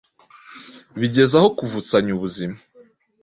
bigeza aho kuvutsanya ubuzima